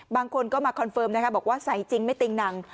บางคนก็มาคอนเฟิร์มนะคะบอกว่าใส่จริงไม่ติงหนัง